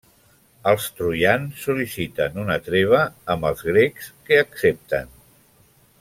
Els troians sol·liciten una treva amb els grecs que accepten.